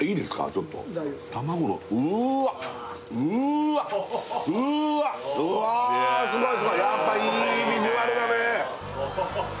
ちょっと卵うーわっうーわっうーわっうわーすごいすごいやっぱいいビジュアルだねえ